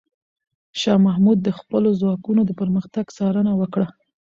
شاه محمود د خپلو ځواکونو د پرمختګ څارنه وکړه.